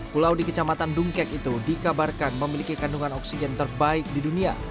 pulau di kecamatan dungkek itu dikabarkan memiliki kandungan oksigen terbaik di dunia